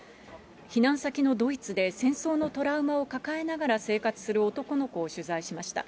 避難先のドイツで、戦争のトラウマを抱えながら生活する男の子を取材しました。